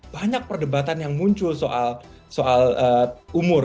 banyak perdebatan yang muncul soal umur